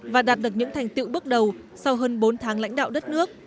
và đạt được những thành tựu bước đầu sau hơn bốn tháng lãnh đạo đất nước